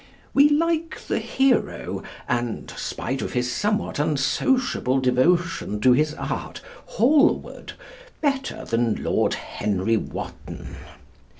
We like the hero and, spite of his somewhat unsociable, devotion to his art, Hallward, better than Lord Henry Wotton.